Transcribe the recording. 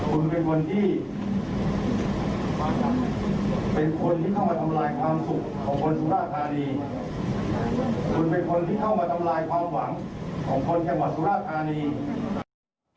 คุณเป็นคนที่เข้ามาทำลายความหวังของคนจังหวัดสุราธารณี